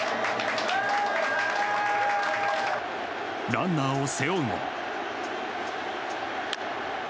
ランナーを背負うも。